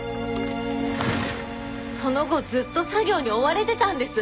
その後ずっと作業に追われてたんです。